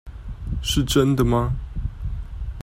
是真的嗎？